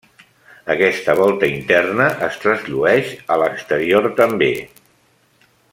Aquesta volta interna es trasllueix a l'exterior també.